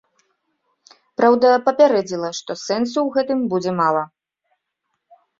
Праўда, папярэдзіла, што сэнсу ў гэтым будзе мала.